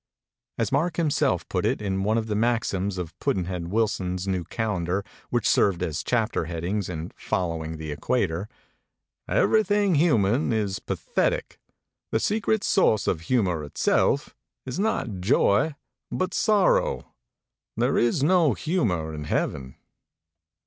As Mark himself put it in one of the maxims of Pudd'nhead Wilson's new calendar which served as chapter headings in 'Following the Equator': "Everything human is pathetic. The secret source of humor itself is not joy but sorrow. There is no humor in heaven.''